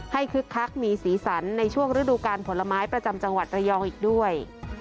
คึกคักมีสีสันในช่วงฤดูการผลไม้ประจำจังหวัดระยองอีกด้วย